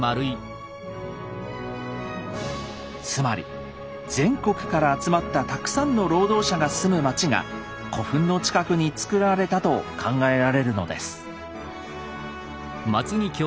つまり全国から集まったたくさんの労働者が住む街が古墳の近くにつくられたと考えられるのです。